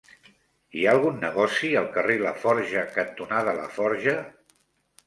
Hi ha algun negoci al carrer Laforja cantonada Laforja?